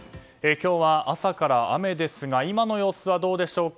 今日は朝から雨ですが今の様子はどうでしょうか。